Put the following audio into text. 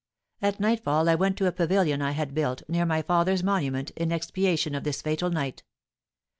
At nightfall I went to a pavilion I had built, near my father's monument, in expiation of this fatal night.